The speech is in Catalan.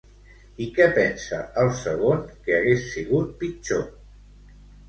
I què pensa el segon que hagués sigut pitjor?